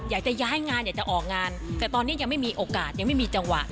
อยากจะย้ายงานอยากจะออกงานแต่ตอนนี้ยังไม่มีโอกาสยังไม่มีจังหวะ